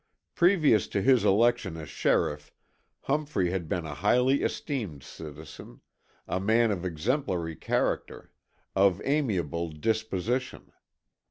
Previous to his election as sheriff Humphrey had been a highly esteemed citizen, a man of exemplary character, of amiable disposition.